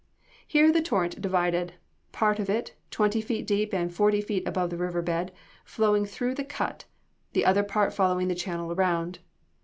Here the torrent divided; a part of it, twenty feet deep and forty feet above the river bed, flowing through the cut, the other part following the channel around.